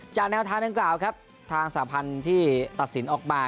แนวทางดังกล่าวครับทางสาพันธ์ที่ตัดสินออกมา